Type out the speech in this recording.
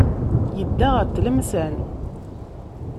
Yedda ɣer Tlemsan.